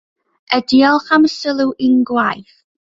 A diolch am y sylw i'n gwaith.